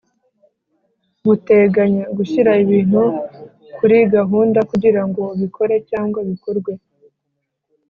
guteganya: gushyira ibintu kuri gahunda kugira ngo ubikore cyangwa bikorwe